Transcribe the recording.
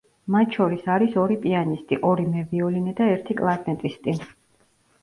მათ შორის არის ორი პიანისტი, ორი მევიოლინე და ერთი კლარნეტისტი.